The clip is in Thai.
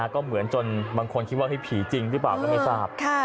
ก็เหมือนจนบางคนคิดว่าผีจริงหรือเปล่าก็ไม่ทราบ